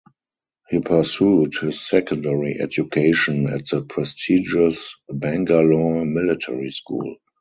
He pursued his secondary education at the prestigious Bangalore Military School.